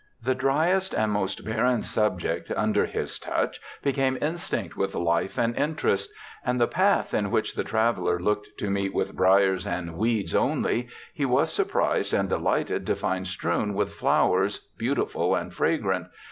The driest and most barren subject, under his touch, became instinct with life and interest, and the path, in which the traveller looked to meet with briars and weeds onl}', he was surprised and delighted to find strewn with flowers, beautiful and fragrant.